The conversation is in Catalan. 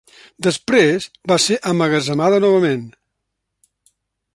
Després, va ser emmagatzemada novament.